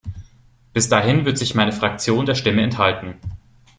Bis dahin wird sich meine Fraktion der Stimme enthalten.